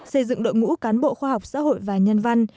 xây dựng đội ngũ cán bộ khoa học xã hội và nhân văn